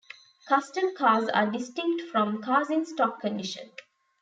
Custom cars are distinct from cars in stock condition.